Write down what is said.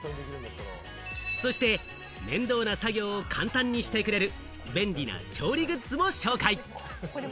そして、面倒な作業を簡単にしてくれる便利な調理グッズも紹介。